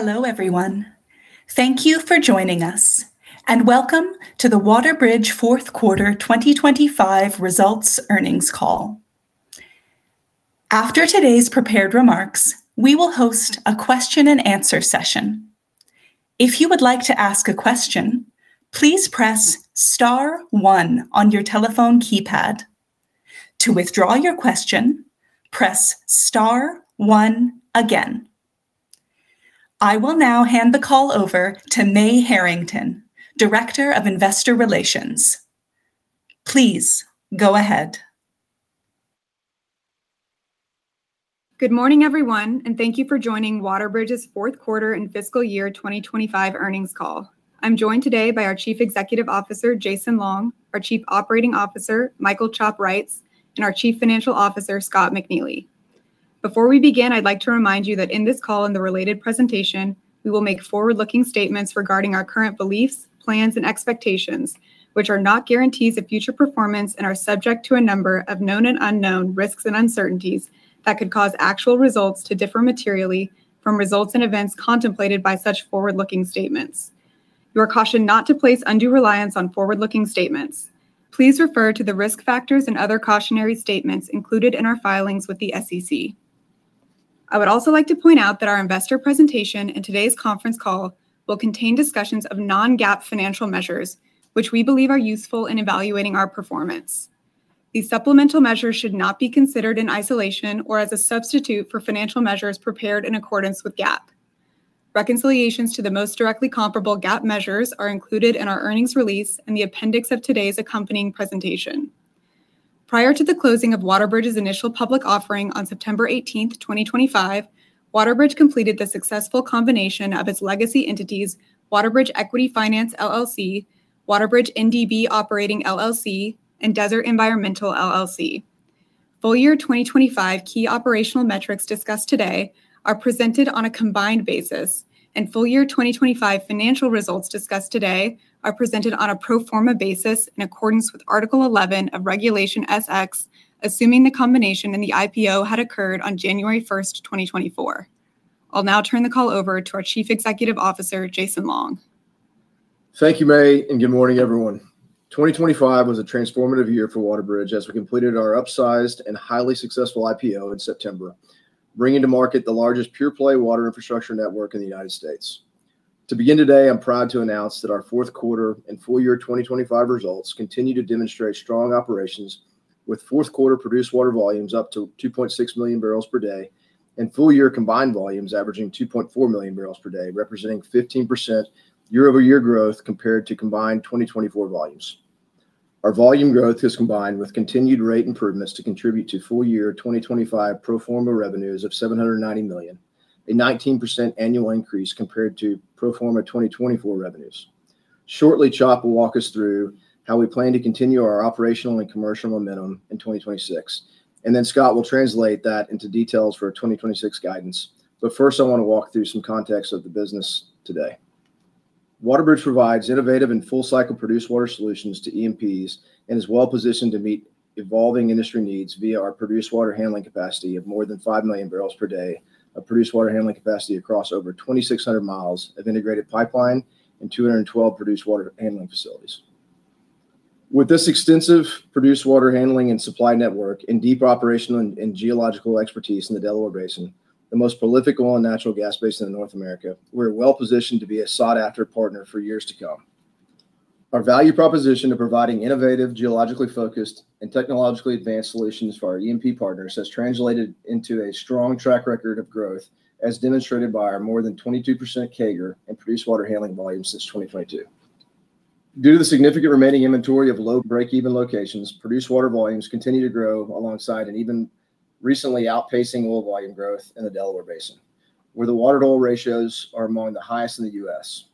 Hello, everyone. Thank you for joining us, and welcome to the WaterBridge fourth quarter 2025 results earnings call. After today's prepared remarks, we will host a question-and-answer session. If you would like to ask a question, please press star one on your telephone keypad. To withdraw your question, press star one again. I will now hand the call over to Mae Herrington, Director of Investor Relations. Please go ahead. Good morning, everyone, and thank you for joining WaterBridge's fourth quarter and fiscal year 2025 earnings call. I'm joined today by our Chief Executive Officer, Jason Long, our Chief Operating Officer, Michael Reitz, and our Chief Financial Officer, Scott McNeely. Before we begin, I'd like to remind you that in this call and the related presentation, we will make forward-looking statements regarding our current beliefs, plans, and expectations, which are not guarantees of future performance and are subject to a number of known and unknown risks and uncertainties that could cause actual results to differ materially from results and events contemplated by such forward-looking statements. You are cautioned not to place undue reliance on forward-looking statements. Please refer to the risk factors and other cautionary statements included in our filings with the SEC. I would also like to point out that our investor presentation and today's conference call will contain discussions of non-GAAP financial measures, which we believe are useful in evaluating our performance. These supplemental measures should not be considered in isolation or as a substitute for financial measures prepared in accordance with GAAP. Reconciliations to the most directly comparable GAAP measures are included in our earnings release in the appendix of today's accompanying presentation. Prior to the closing of WaterBridge's initial public offering on September 18th, 2025, WaterBridge completed the successful combination of its legacy entities, WaterBridge Equity Finance LLC, WaterBridge NDB Operating LLC, and Desert Environmental LLC. Full year 2025 key operational metrics discussed today are presented on a combined basis, and full year 2025 financial results discussed today are presented on a pro forma basis in accordance with Article 11 of Regulation S-X, assuming the combination in the IPO had occurred on January 1, 2024. I'll now turn the call over to our Chief Executive Officer, Jason Long. Thank you, Mae, and good morning, everyone. Twenty twenty-five was a transformative year for WaterBridge as we completed our upsized and highly successful IPO in September, bringing to market the largest pure-play water infrastructure network in the United States. To begin today, I'm proud to announce that our fourth quarter and full year 2025 results continue to demonstrate strong operations with fourth quarter produced water volumes up to 2.6 MMbpd and full year combined volumes averaging 2.4 MMbpd, representing 15% year-over-year growth compared to combined 2024 volumes. Our volume growth is combined with continued rate improvements to contribute to full year 2025 pro forma revenues of $790 million, a 19% annual increase compared to pro forma 2024 revenues. Shortly, Chop will walk us through how we plan to continue our operational and commercial momentum in 2026, and then Scott will translate that into details for our 2026 guidance. First, I want to walk through some context of the business today. WaterBridge provides innovative and full cycle produced water solutions to E&Ps and is well-positioned to meet evolving industry needs via our produced water handling capacity of more than 5 MMbpd of produced water handling capacity across over 2,600 mi of integrated pipeline and 212 produced water handling facilities. With this extensive produced water handling and supply network and deep operational and geological expertise in the Delaware Basin, the most prolific oil and natural gas basin in North America, we're well-positioned to be a sought-after partner for years to come. Our value proposition of providing innovative, geologically focused, and technologically advanced solutions for our E&P partners has translated into a strong track record of growth as demonstrated by our more than 22% CAGR in produced water handling volumes since 2022. Due to the significant remaining inventory of low breakeven locations, produced water volumes continue to grow alongside and even recently outpacing oil volume growth in the Delaware Basin, where the water-to-oil ratios are among the highest in the U.S.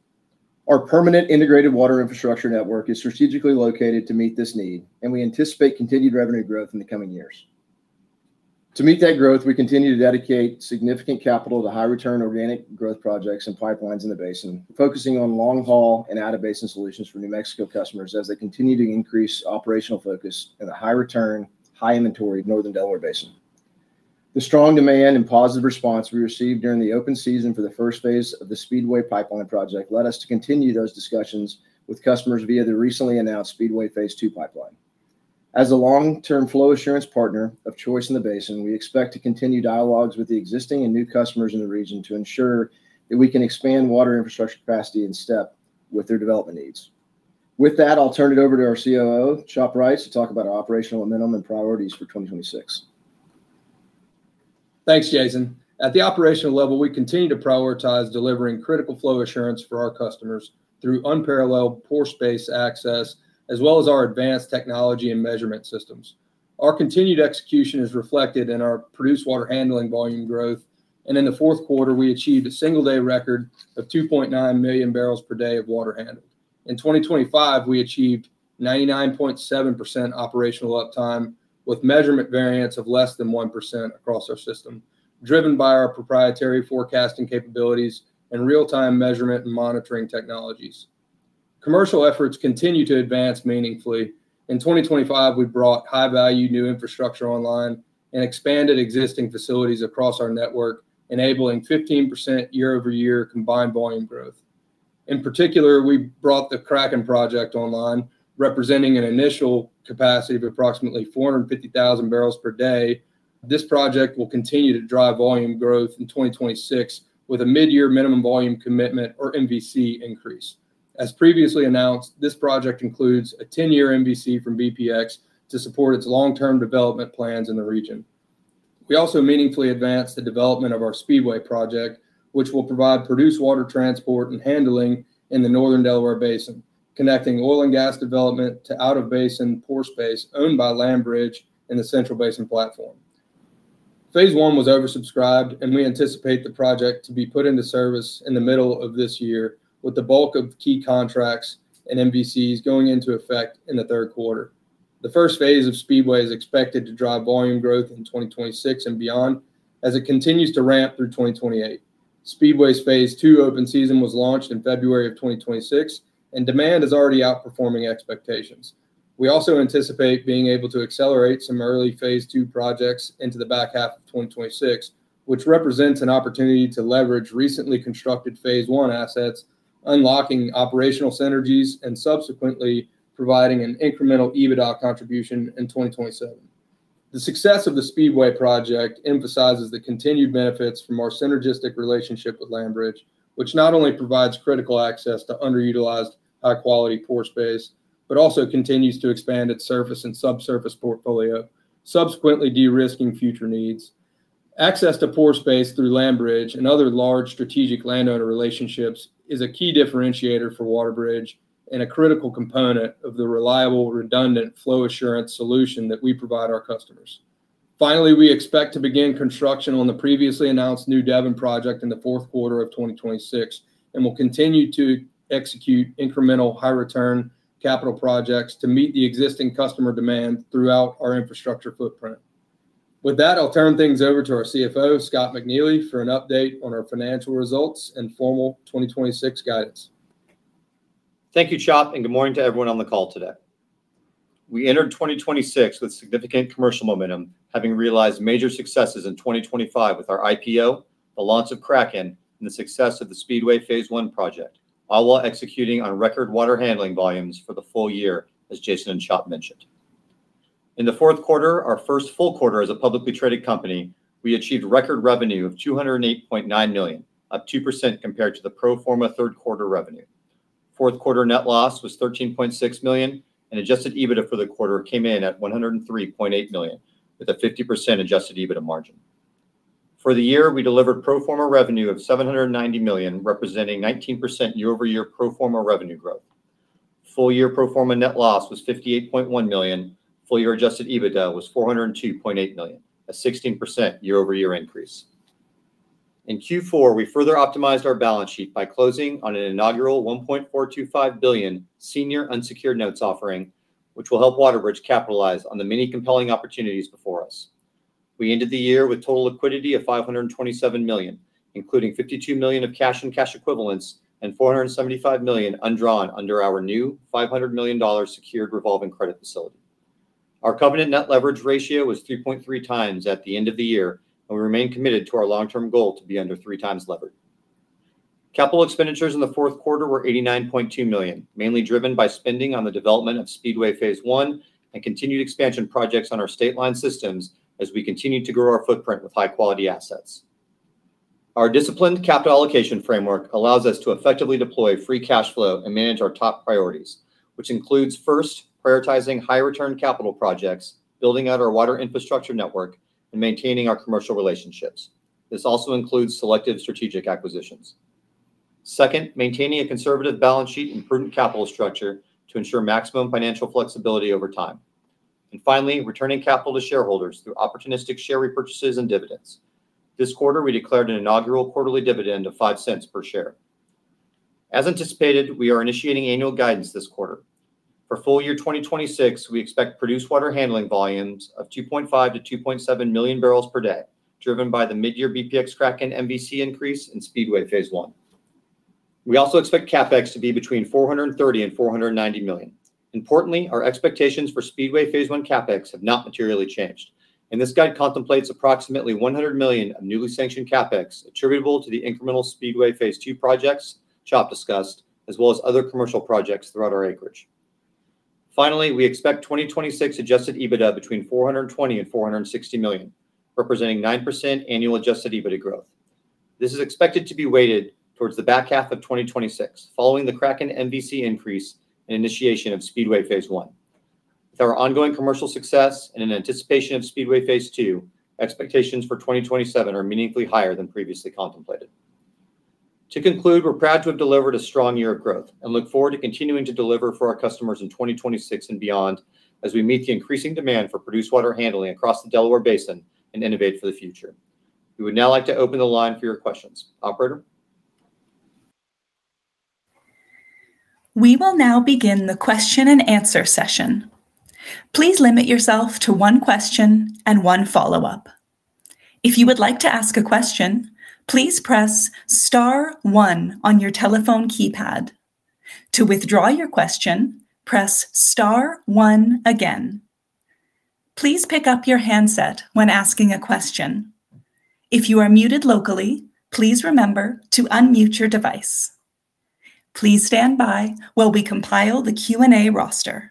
Our permanent integrated water infrastructure network is strategically located to meet this need, and we anticipate continued revenue growth in the coming years. To meet that growth, we continue to dedicate significant capital to high-return organic growth projects and pipelines in the basin, focusing on long-haul and out-of-basin solutions for New Mexico customers as they continue to increase operational focus in the high-return, high-inventory Northern Delaware Basin. The strong demand and positive response we received during the open season for the first phase of the Speedway Pipeline project led us to continue those discussions with customers via the recently announced Speedway Phase II pipeline. As a long-term flow assurance partner of choice in the basin, we expect to continue dialogues with the existing and new customers in the region to ensure that we can expand water infrastructure capacity in step with their development needs. With that, I'll turn it over to our COO, Michael Reitz, to talk about our operational minimum and priorities for 2026. Thanks, Jason. At the operational level, we continue to prioritize delivering critical flow assurance for our customers through unparalleled pore space access, as well as our advanced technology and measurement systems. Our continued execution is reflected in our produced water handling volume growth. In the fourth quarter, we achieved a single-day record of 2.9 MMbpd of water handled. In 2025, we achieved 99.7% operational uptime with measurement variance of less than 1% across our system, driven by our proprietary forecasting capabilities and real-time measurement and monitoring technologies. Commercial efforts continue to advance meaningfully. In 2025, we brought high-value new infrastructure online and expanded existing facilities across our network, enabling 15% year-over-year combined volume growth. In particular, we brought the Kraken project online, representing an initial capacity of approximately 450,000 barrels per day. This project will continue to drive volume growth in 2026 with a midyear minimum volume commitment or MVC increase. As previously announced, this project includes a 10-year MVC from bpx to support its long-term development plans in the region. We also meaningfully advanced the development of our Speedway project, which will provide produced water transport and handling in the northern Delaware Basin, connecting oil and gas development to out-of-basin pore space owned by LandBridge in the Central Basin Platform. Phase I was oversubscribed, and we anticipate the project to be put into service in the middle of this year, with the bulk of key contracts and MVCs going into effect in the third quarter. The first phase of Speedway is expected to drive volume growth in 2026 and beyond as it continues to ramp through 2028. Speedway's Phase II open season was launched in February of 2026, and demand is already outperforming expectations. We also anticipate being able to accelerate some early Phase II projects into the back half of 2026, which represents an opportunity to leverage recently constructed Phase I assets, unlocking operational synergies and subsequently providing an incremental EBITDA contribution in 2027. The success of the Speedway project emphasizes the continued benefits from our synergistic relationship with LandBridge, which not only provides critical access to underutilized high-quality pore space, but also continues to expand its surface and subsurface portfolio, subsequently de-risking future needs. Access to pore space through LandBridge and other large strategic landowner relationships is a key differentiator for WaterBridge and a critical component of the reliable, redundant flow assurance solution that we provide our customers. Finally, we expect to begin construction on the previously announced New Devon Project in the fourth quarter of 2026 and will continue to execute incremental high-return capital projects to meet the existing customer demand throughout our infrastructure footprint. With that, I'll turn things over to our CFO, Scott McNeely, for an update on our financial results and formal 2026 guidance. Thank you, Chop, and good morning to everyone on the call today. We entered 2026 with significant commercial momentum, having realized major successes in 2025 with our IPO, the launch of Kraken, and the success of the Speedway Phase I project, all while executing on record water handling volumes for the full year, as Jason and Chop mentioned. In the fourth quarter, our first full quarter as a publicly traded company, we achieved record revenue of $208.9 million, up 2% compared to the pro forma third quarter revenue. Fourth quarter net loss was $13.6 million, and adjusted EBITDA for the quarter came in at $103.8 million, with a 50% adjusted EBITDA margin. For the year, we delivered pro forma revenue of $790 million, representing 19% year-over-year pro forma revenue growth. Full-year pro forma net loss was $58.1 million. Full-year adjusted EBITDA was $402.8 million, a 16% year-over-year increase. In Q4, we further optimized our balance sheet by closing on an inaugural $1.425 billion senior unsecured notes offering, which will help WaterBridge capitalize on the many compelling opportunities before us. We ended the year with total liquidity of $527 million, including $52 million of cash and cash equivalents and $475 million undrawn under our new $500 million secured revolving credit facility. Our covenant net leverage ratio was 3.3x at the end of the year, and we remain committed to our long-term goal to be under 3x levered. CapEx in the fourth quarter were $89.2 million, mainly driven by spending on the development of Speedway Phase I and continued expansion projects on our Stateline systems as we continue to grow our footprint with high-quality assets. Our disciplined capital allocation framework allows us to effectively deploy free cash flow and manage our top priorities, which includes, first, prioritizing high-return capital projects, building out our water infrastructure network, and maintaining our commercial relationships. This also includes selective strategic acquisitions. Second, maintaining a conservative balance sheet and prudent capital structure to ensure maximum financial flexibility over time. Finally, returning capital to shareholders through opportunistic share repurchases and dividends. This quarter, we declared an inaugural quarterly dividend of $0.05 per share. As anticipated, we are initiating annual guidance this quarter. For full year 2026, we expect produced water handling volumes of 2.5 MMbpd-2.7 MMbpd, driven by the midyear bpx Kraken MVC increase in Speedway Phase I. We also expect CapEx to be between $430 million and $490 million. Importantly, our expectations for Speedway Phase I CapEx have not materially changed, and this guide contemplates approximately $100 million of newly sanctioned CapEx attributable to the incremental Speedway Phase II projects Chop discussed, as well as other commercial projects throughout our acreage. Finally, we expect 2026 adjusted EBITDA between $420 million and $460 million, representing 9% annual adjusted EBITDA growth. This is expected to be weighted towards the back half of 2026 following the Kraken MVC increase and initiation of Speedway Phase I. With our ongoing commercial success and in anticipation of Speedway Phase II, expectations for 2027 are meaningfully higher than previously contemplated. To conclude, we're proud to have delivered a strong year of growth and look forward to continuing to deliver for our customers in 2026 and beyond as we meet the increasing demand for produced water handling across the Delaware Basin and innovate for the future. We would now like to open the line for your questions. Operator? We will now begin the question-and-answer session. Please limit yourself to one question and one follow-up. If you would like to ask a question, please press star one on your telephone keypad. To withdraw your question, press star one again. Please pick up your handset when asking a question. If you are muted locally, please remember to unmute your device. Please stand by while we compile the Q&A roster.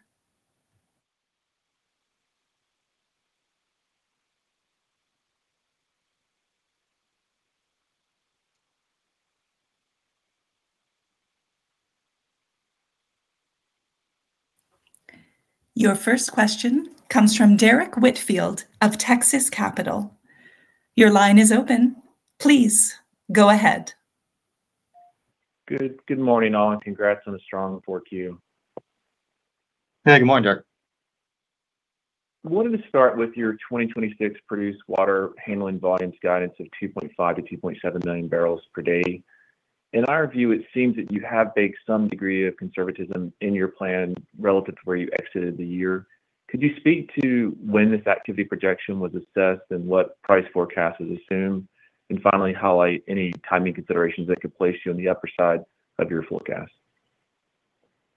Your first question comes from Derrick Whitfield of Texas Capital. Your line is open. Please go ahead. Good morning, all, and congrats on a strong 4Q. Hey, good morning, Derrick. Wanted to start with your 2026 produced water handling volumes guidance of 2.5 MMbpd-2.7 MMbpd. In our view, it seems that you have baked some degree of conservatism in your plan relative to where you exited the year. Could you speak to when this activity projection was assessed and what price forecast is assumed? Finally, highlight any timing considerations that could place you on the upper side of your forecast.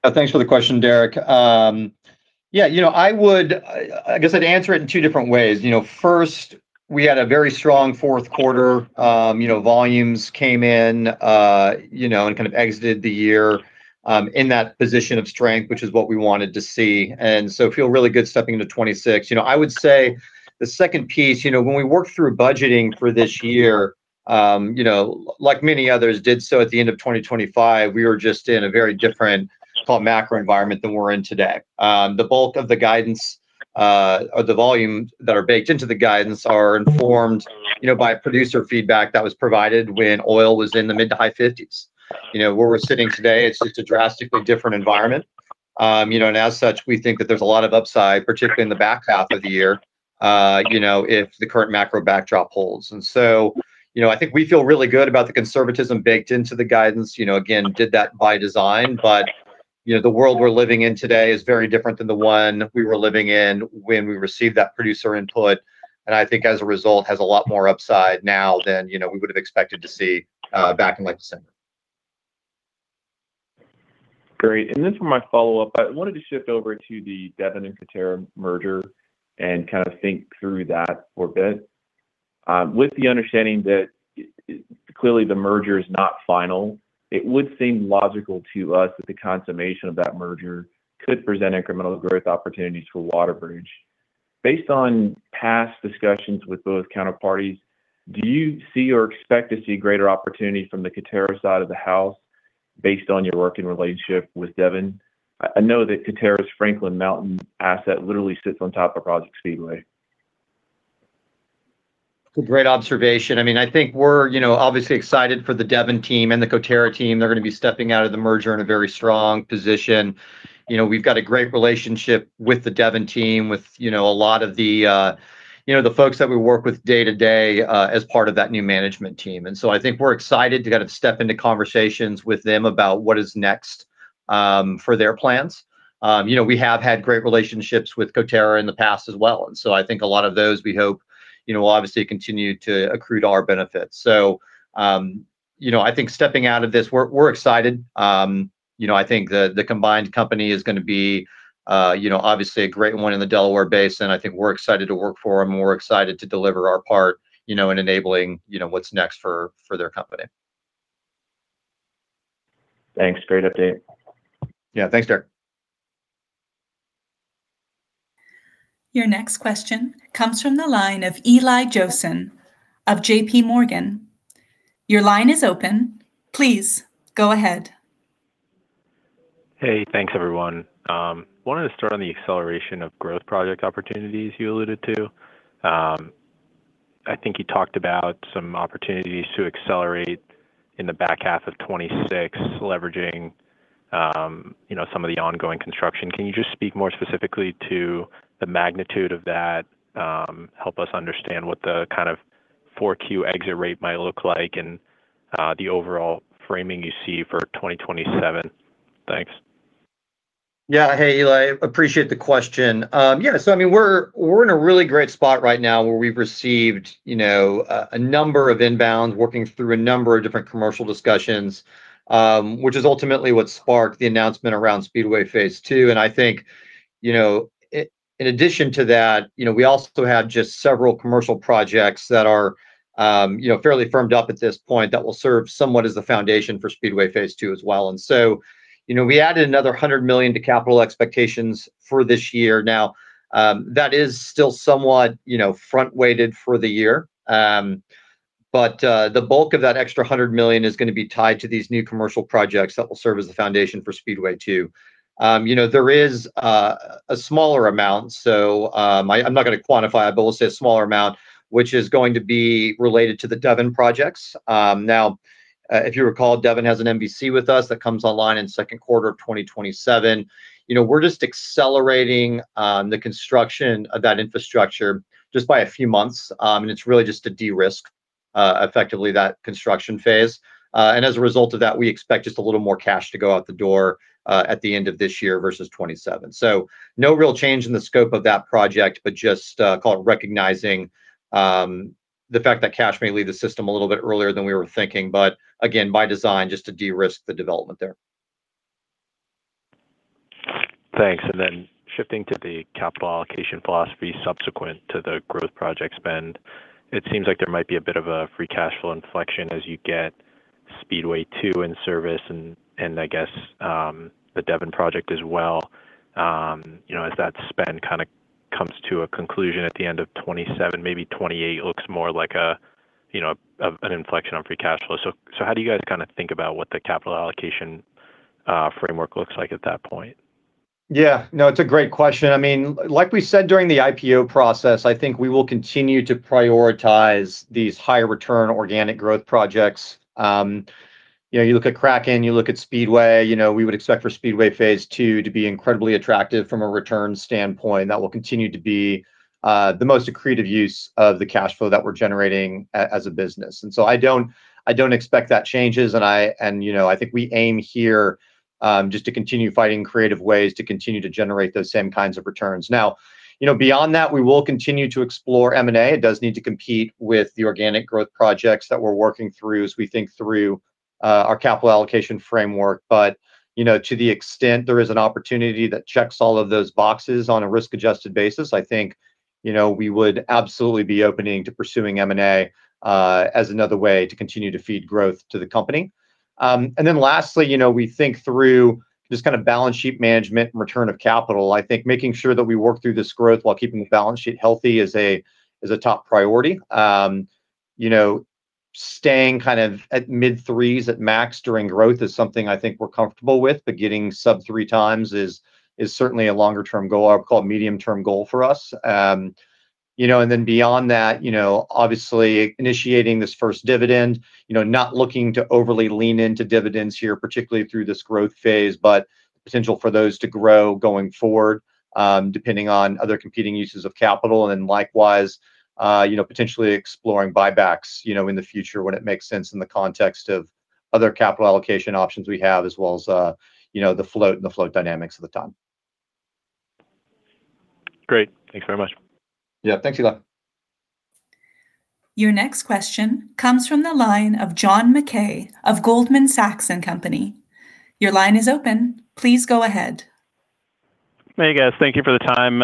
Thanks for the question, Derrick. Yeah, you know, I guess I'd answer it in two different ways. You know, first, we had a very strong fourth quarter. You know, volumes came in, you know, and kind of exited the year in that position of strength, which is what we wanted to see, and so feel really good stepping into 2026. You know, I would say the second piece, you know, when we worked through budgeting for this year, you know, like many others did so at the end of 2025, we were just in a very different macro environment than we're in today. The bulk of the guidance, or the volumes that are baked into the guidance are informed, you know, by producer feedback that was provided when oil was in the mid- to high 50s. You know, where we're sitting today, it's just a drastically different environment. You know, as such, we think that there's a lot of upside, particularly in the back half of the year, you know, if the current macro backdrop holds. You know, I think we feel really good about the conservatism baked into the guidance. You know, again, did that by design. You know, the world we're living in today is very different than the one we were living in when we received that producer input, and I think as a result has a lot more upside now than, you know, we would have expected to see, back in late December. Great. For my follow-up, I wanted to shift over to the Devon and Coterra merger and kind of think through that for a bit. With the understanding that clearly the merger is not final, it would seem logical to us that the consummation of that merger could present incremental growth opportunities for WaterBridge. Based on past discussions with both counterparties, do you see or expect to see greater opportunity from the Coterra side of the house based on your working relationship with Devon? I know that Coterra's Franklin Mountain asset literally sits on top of Project Speedway. Great observation. I mean, I think we're you know obviously excited for the Devon team and the Coterra team. They're gonna be stepping out of the merger in a very strong position. You know, we've got a great relationship with the Devon team, with you know a lot of the you know the folks that we work with day-to-day as part of that new management team. I think we're excited to kind of step into conversations with them about what is next for their plans. You know, we have had great relationships with Coterra in the past as well. I think a lot of those we hope you know will obviously continue to accrue to our benefit. You know, I think stepping out of this, we're excited. You know, I think the combined company is gonna be, you know, obviously a great one in the Delaware Basin. I think we're excited to work for them. We're excited to deliver our part, you know, in enabling, you know, what's next for their company. Thanks. Great update. Yeah. Thanks, Derrick. Your next question comes from the line of Eli Jossen of JPMorgan. Your line is open. Please go ahead. Hey, thanks everyone. Wanted to start on the acceleration of growth project opportunities you alluded to. I think you talked about some opportunities to accelerate in the back half of 2026, leveraging, you know, some of the ongoing construction. Can you just speak more specifically to the magnitude of that? Help us understand what the kind of 4Q exit rate might look like and the overall framing you see for 2027. Thanks. Yeah. Hey, Eli. Appreciate the question. I mean, we're in a really great spot right now where we've received, you know, a number of inbounds working through a number of different commercial discussions, which is ultimately what sparked the announcement around Speedway Phase II. I think, you know, in addition to that, you know, we also have just several commercial projects that are, you know, fairly firmed up at this point that will serve somewhat as the foundation for Speedway Phase II as well. We added another $100 million to capital expectations for this year. Now, that is still somewhat, you know, front-weighted for the year. The bulk of that extra $100 million is gonna be tied to these new commercial projects that will serve as the foundation for Speedway II. You know, there is a smaller amount, so, I'm not gonna quantify it, but we'll say a smaller amount, which is going to be related to the Devon projects. Now, if you recall, Devon has an MVC with us that comes online in second quarter of 2027. You know, we're just accelerating the construction of that infrastructure just by a few months, and it's really just to de-risk effectively that construction phase. As a result of that, we expect just a little more cash to go out the door at the end of this year versus 2027. No real change in the scope of that project, but just call it recognizing the fact that cash may leave the system a little bit earlier than we were thinking. Again, by design, just to de-risk the development there. Thanks. Then shifting to the capital allocation philosophy subsequent to the growth project spend, it seems like there might be a bit of a free cash flow inflection as you get Speedway Phase II in service and I guess, you know, as that spend kind of comes to a conclusion at the end of 2027, maybe 2028 looks more like a you know, an inflection on free cash flow. How do you guys kinda think about what the capital allocation framework looks like at that point? Yeah. No, it's a great question. I mean, like we said during the IPO process, I think we will continue to prioritize these higher-return organic growth projects. You know, you look at Kraken, you look at Speedway, you know, we would expect for Speedway Phase II to be incredibly attractive from a return standpoint. That will continue to be the most accretive use of the cash flow that we're generating as a business. I don't expect that changes. You know, I think we aim here, just to continue finding creative ways to continue to generate those same kinds of returns. Now, you know, beyond that, we will continue to explore M&A. It does need to compete with the organic growth projects that we're working through as we think through our capital allocation framework. You know, to the extent there is an opportunity that checks all of those boxes on a risk-adjusted basis, I think, you know, we would absolutely be open to pursuing M&A as another way to continue to feed growth to the company. Lastly, you know, we think through just kind of balance sheet management and return of capital. I think making sure that we work through this growth while keeping the balance sheet healthy is a top priority. You know, staying kind of at mid 3s at max during growth is something I think we're comfortable with, but getting sub-3x is certainly a longer-term goal. I would call it medium-term goal for us. You know, beyond that, you know, obviously initiating this first dividend, you know, not looking to overly lean into dividends here, particularly through this growth phase, but potential for those to grow going forward, depending on other competing uses of capital. Likewise, you know, potentially exploring buybacks, you know, in the future when it makes sense in the context of other capital allocation options we have, as well as, you know, the float and float dynamics at the time. Great. Thanks very much. Yeah. Thanks a lot. Your next question comes from the line of John Mackay of Goldman Sachs. Your line is open. Please go ahead. Hey, guys. Thank you for the time.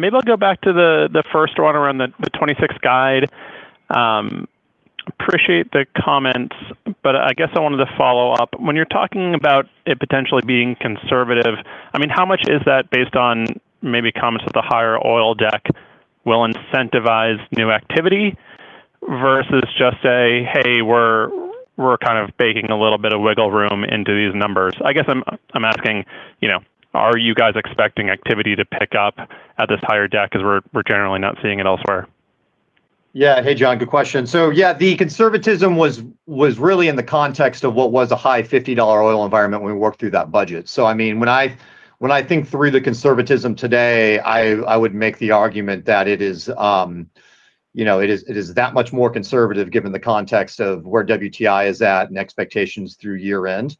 Maybe I'll go back to the first one around the 2026 guidance. Appreciate the comments, but I guess I wanted to follow up. When you're talking about it potentially being conservative, I mean, how much is that based on maybe comments that the higher oil deck will incentivize new activity versus just a, "Hey, we're kind of baking a little bit of wiggle room into these numbers"? I guess I'm asking, you know, are you guys expecting activity to pick up at this higher deck? Because we're generally not seeing it elsewhere. Yeah. Hey, John, good question. Yeah, the conservatism was really in the context of what was a high $50 oil environment when we worked through that budget. I mean, when I think through the conservatism today, I would make the argument that it is, you know, that much more conservative given the context of where WTI is at and expectations through year-end.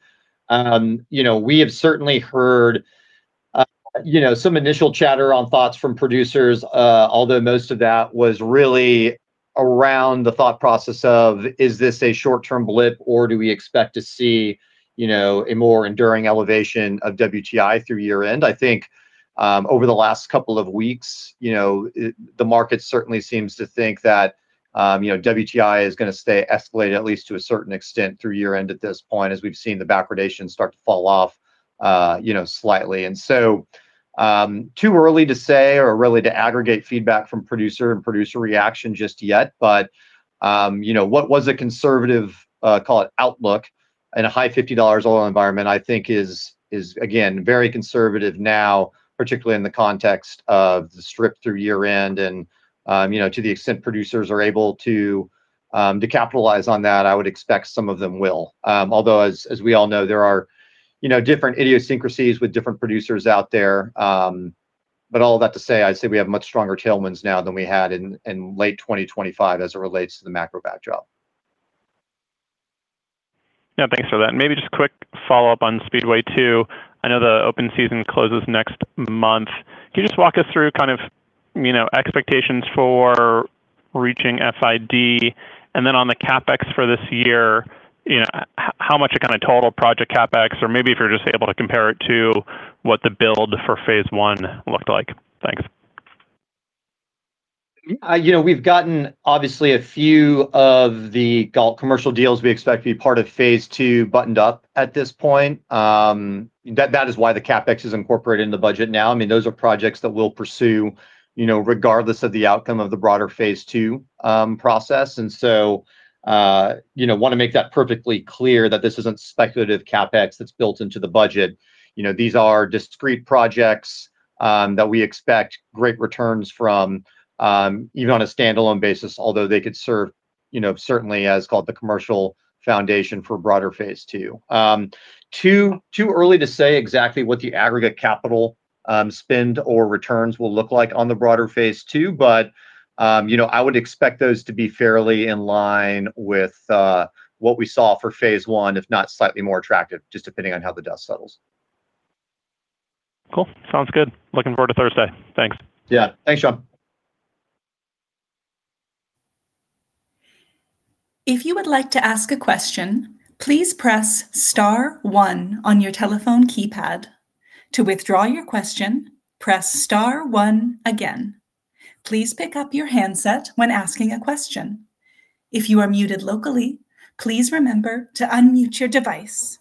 You know, we have certainly heard, you know, some initial chatter on thoughts from producers, although most of that was really around the thought process of, is this a short-term blip or do we expect to see, you know, a more enduring elevation of WTI through year-end? I think, over the last couple of weeks, you know, the market certainly seems to think that, you know, WTI is gonna stay elevated at least to a certain extent through year-end at this point, as we've seen the backwardation start to fall off, you know, slightly. Too early to say or really to aggregate feedback from producer reaction just yet. You know, what was a conservative, call it outlook in a high $50 oil environment, I think is again, very conservative now, particularly in the context of the strip through year-end. You know, to the extent producers are able to capitalize on that, I would expect some of them will. Although, as we all know, there are, you know, different idiosyncrasies with different producers out there. All that to say, I'd say we have much stronger tailwinds now than we had in late 2025 as it relates to the macro backdrop. Yeah, thanks for that. Maybe just a quick follow-up on Speedway II. I know the open season closes next month. Can you just walk us through kind of, you know, expectations for reaching FID? On the CapEx for this year, you know, how much is kind of total project CapEx? Or maybe if you're just able to compare it to what the build for Phase I looked like. Thanks. You know, we've gotten obviously a few of the bulk commercial deals we expect to be part of Phase II buttoned up at this point. That is why the CapEx is incorporated in the budget now. I mean, those are projects that we'll pursue, you know, regardless of the outcome of the broader Phase II process. You know, wanna make that perfectly clear that this isn't speculative CapEx that's built into the budget. You know, these are discrete projects that we expect great returns from, even on a standalone basis, although they could serve, you know, certainly as the so-called commercial foundation for broader Phase II. Too early to say exactly what the aggregate capital spend or returns will look like on the broader Phase II, but you know, I would expect those to be fairly in line with what we saw for Phase I, if not slightly more attractive, just depending on how the dust settles. Cool. Sounds good. Looking forward to Thursday. Thanks. Yeah. Thanks, John. If you would like to ask a question, please press star one on your telephone keypad. To withdraw your question, press star one again. Please pick up your handset when asking a question. If you are muted locally, please remember to unmute your device.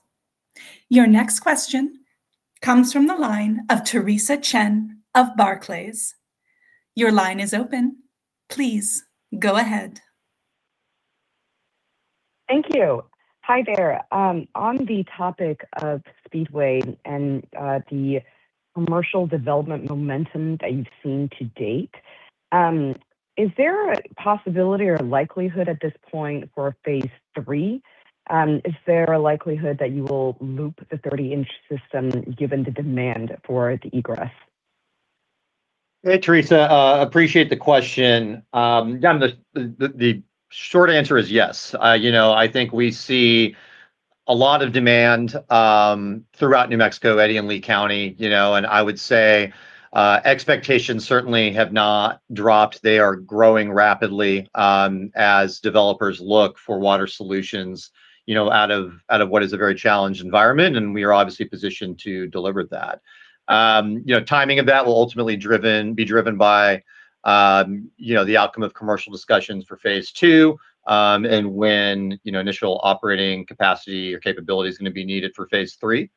Your next question comes from the line of Theresa Chen of Barclays. Your line is open. Please go ahead. Thank you. Hi there. On the topic of Speedway and the commercial development momentum that you've seen to date, is there a possibility or a likelihood at this point for a Phase III? Is there a likelihood that you will loop the 30-in system given the demand for the egress? Hey, Theresa. Appreciate the question. Yeah, the short answer is yes. You know, I think we see a lot of demand throughout New Mexico, Eddy and Lea County, you know, and I would say expectations certainly have not dropped. They are growing rapidly as developers look for water solutions, you know, out of what is a very challenged environment, and we are obviously positioned to deliver that. You know, timing of that will ultimately be driven by the outcome of commercial discussions for Phase II, and when initial operating capacity or capability is gonna be needed for Phase III.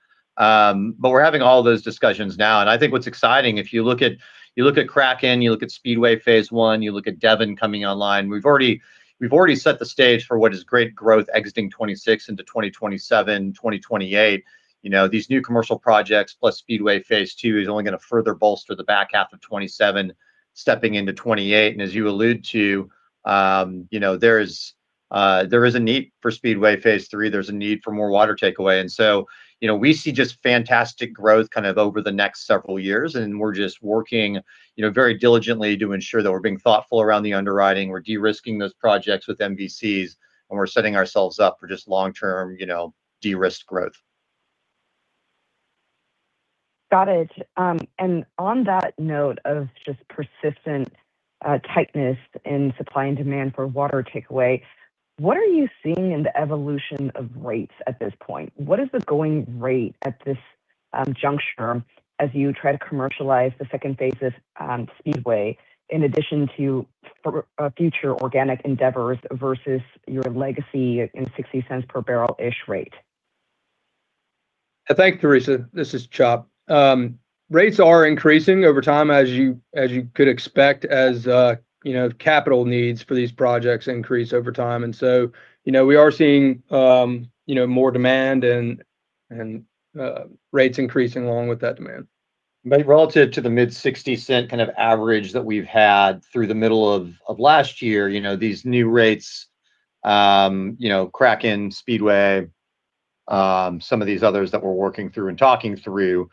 We're having all those discussions now, and I think what's exciting, if you look at Kraken, you look at Speedway Phase I, you look at Devon coming online, we've already set the stage for what is great growth exiting 2026 into 2027, 2028. You know, these new commercial projects plus Speedway Phase II is only gonna further bolster the back half of 2027 stepping into 2028. As you allude to, you know, there is a need for Speedway Phase III. There's a need for more water takeaway. You know, we see just fantastic growth kind of over the next several years, and we're just working, you know, very diligently to ensure that we're being thoughtful around the underwriting. We're de-risking those projects with MVCs, and we're setting ourselves up for just long-term, you know, de-risked growth. Got it. On that note of just persistent tightness in supply and demand for water takeaway, what are you seeing in the evolution of rates at this point? What is the going rate at this juncture as you try to commercialize the second phase of Speedway in addition to future organic endeavors versus your legacy in $0.60 per barrel-ish rate? Thanks, Theresa. This is Chop. Rates are increasing over time as you could expect as, you know, capital needs for these projects increase over time. You know, we are seeing, you know, more demand and rates increasing along with that demand. Relative to the mid-$0.60 kind of average that we've had through the middle of last year, you know, these new rates, you know, Kraken, Speedway, some of these others that we're working through and talking through,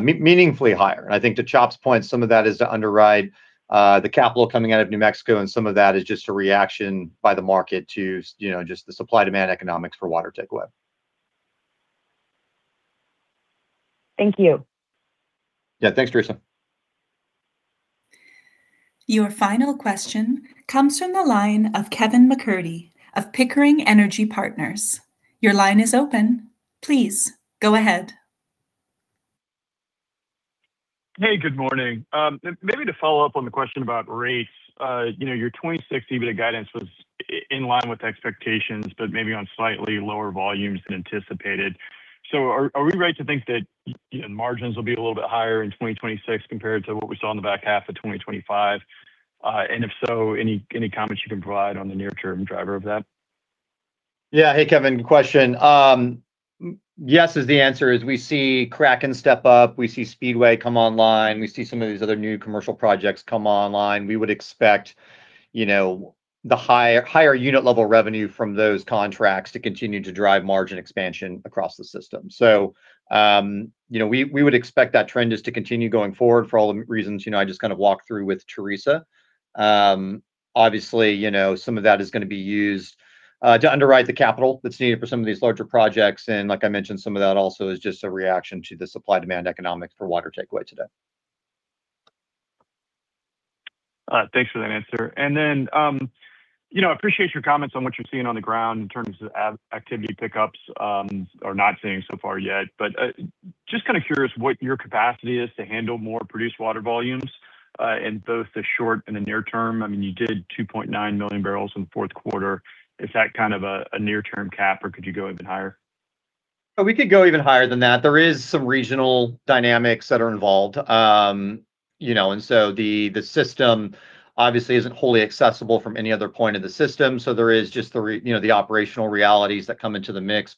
meaningfully higher. I think to Chop's point, some of that is to underwrite the capital coming out of New Mexico, and some of that is just a reaction by the market to, you know, just the supply-demand economics for water takeaway. Thank you. Yeah. Thanks, Theresa. Your final question comes from the line of Kevin MacCurdy of Pickering Energy Partners. Your line is open. Please go ahead. Hey, good morning. Maybe to follow up on the question about rates. You know, your 2026 EBITDA guidance was in line with expectations, but maybe on slightly lower volumes than anticipated. Are we right to think that, you know, margins will be a little bit higher in 2026 compared to what we saw in the back half of 2025? If so, any comments you can provide on the near-term driver of that? Yeah. Hey, Kevin, good question. Yes is the answer. As we see Kraken step up, we see Speedway come online, we see some of these other new commercial projects come online, we would expect, you know, the higher unit level revenue from those contracts to continue to drive margin expansion across the system. You know, we would expect that trend just to continue going forward for all the reasons, you know, I just kind of walked through with Theresa. Obviously, you know, some of that is gonna be used to underwrite the capital that is needed for some of these larger projects. Like I mentioned, some of that also is just a reaction to the supply-demand economics for water takeaway today. Thanks for that answer. You know, appreciate your comments on what you're seeing on the ground in terms of activity pickups, or not seeing so far yet. Just kinda curious what your capacity is to handle more produced water volumes, in both the short and the near term. I mean, you did 2.9 million barrels in the fourth quarter. Is that kind of a near-term cap, or could you go even higher? We could go even higher than that. There is some regional dynamics that are involved. You know, the system obviously isn't wholly accessible from any other point in the system, so there is just, you know, the operational realities that come into the mix.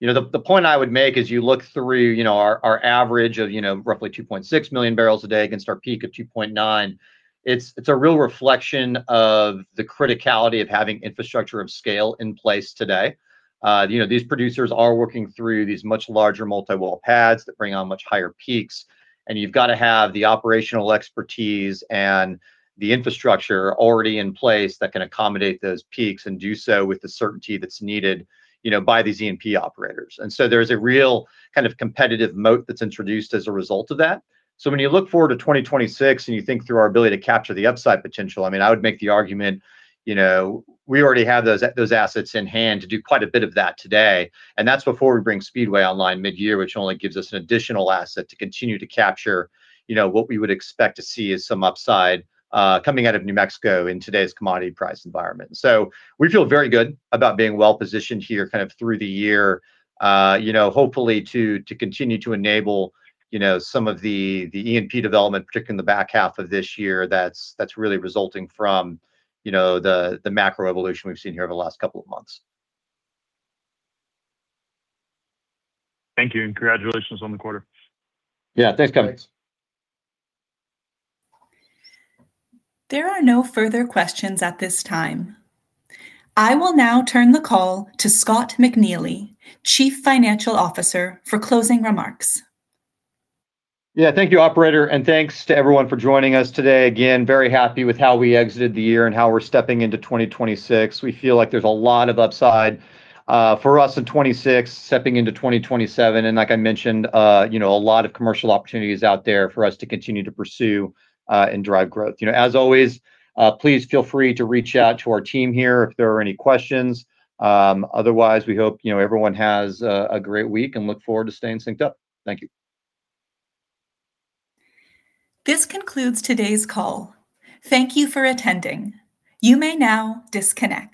You know, the point I would make as you look through, you know, our average of, you know, roughly 2.6 MMbpd against our peak of 2.9 MMbpd, it's a real reflection of the criticality of having infrastructure of scale in place today. You know, these producers are working through these much larger multi-well pads that bring on much higher peaks, and you've got to have the operational expertise and the infrastructure already in place that can accommodate those peaks and do so with the certainty that's needed, you know, by these E&P operators. There's a real kind of competitive moat that's introduced as a result of that. When you look forward to 2026 and you think through our ability to capture the upside potential, I mean, I would make the argument, you know, we already have those assets in hand to do quite a bit of that today, and that's before we bring Speedway online midyear, which only gives us an additional asset to continue to capture, you know, what we would expect to see as some upside coming out of New Mexico in today's commodity price environment. We feel very good about being well positioned here kind of through the year, you know, hopefully to continue to enable, you know, some of the E&P development, particularly in the back half of this year, that's really resulting from, you know, the macro evolution we've seen here over the last couple of months. Thank you, and congratulations on the quarter. Yeah. Thanks, Kevin. There are no further questions at this time. I will now turn the call to Scott McNeely, Chief Financial Officer, for closing remarks. Yeah. Thank you, operator, and thanks to everyone for joining us today. Again, very happy with how we exited the year and how we're stepping into 2026. We feel like there's a lot of upside for us in 2026, stepping into 2027. Like I mentioned, you know, a lot of commercial opportunities out there for us to continue to pursue and drive growth. You know, as always, please feel free to reach out to our team here if there are any questions. Otherwise, we hope, you know, everyone has a great week and look forward to staying synced up. Thank you. This concludes today's call. Thank you for attending. You may now disconnect.